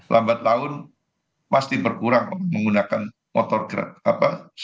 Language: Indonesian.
lambat laun pasti berkurang menggunakan motor gratis